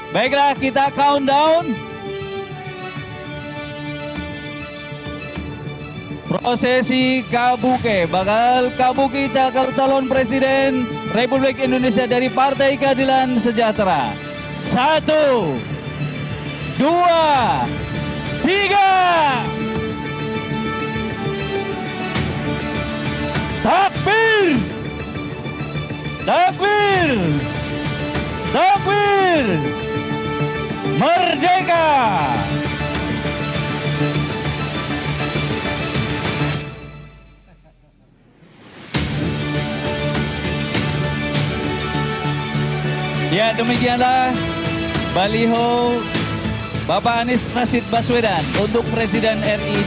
baiklah kita countdown